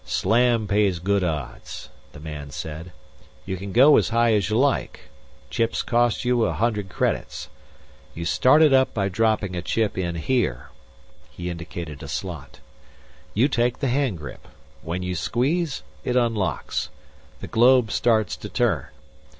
"Slam pays good odds," the man said. "You can go as high as you like. Chips cost you a hundred credits. You start it up by dropping a chip in here." He indicated a slot. "You take the hand grip. When you squeeze, it unlocks. The globe starts to turn.